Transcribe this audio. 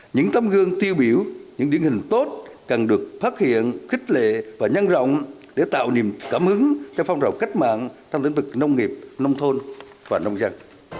những tấm gương tiêu biểu những điển hình tốt cần được phát hiện khích lệ và nhanh rộng để tạo niềm cảm hứng cho phong rộng cách mạng trong tính thực nông nghiệp nông thôn và nông dân